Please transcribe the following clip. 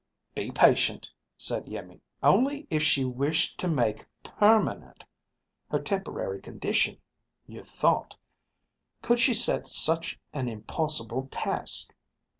"Be patient," said Iimmi. "Only if she wished to make permanent her temporary condition, you thought, could she set such an impossible task.